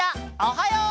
おはよう！